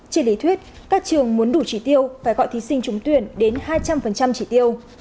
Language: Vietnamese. trên lý thuyết các trường muốn đủ trí tiêu phải gọi thí sinh trúng tuyển đến hai trăm linh chỉ tiêu